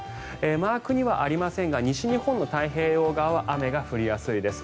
マークにはありませんが西日本の太平洋側は雨が降りやすいです。